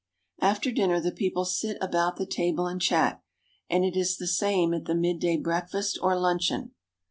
After dinner the people sit about the table and chat, and it is the same at the midday breakfast or luncheon.